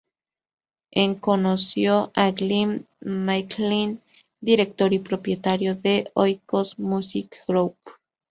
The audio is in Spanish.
En conoció a Glyn MacLean, director y propietario de Oikos Music Group.